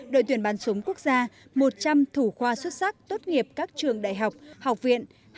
đội tuyển bắn súng quốc gia một trăm linh thủ khoa xuất sắc tốt nghiệp các trường đại học học viện